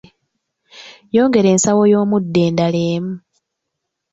Yongera ensawo y’omuddo endala emu.